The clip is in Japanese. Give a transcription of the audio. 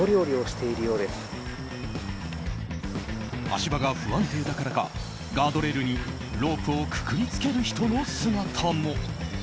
足場が不安定だからかガードレールにロープをくくり付ける人の姿も。